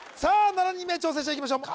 ７人目挑戦者いきましょう